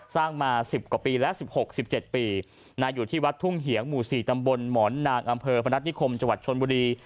สร้างมา๑๐กว่าปีแล้ว๑๖๑๗ปีอยู่ที่วัดทุ่งเหียงหมู่๔ตำบลหมอนนางอำเภอพนัฐนิคมจังหวัดชนบุรี